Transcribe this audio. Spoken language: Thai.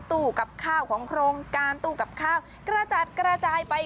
ตู้กับข้าวของโครงการตู้กับข้าวกระจัดกระจายไป